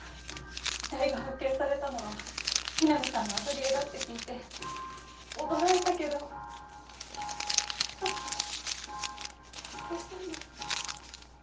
遺体が発見されたのは井波さんのアトリエだって聞いて驚いたけどちょっとホッとしたんです。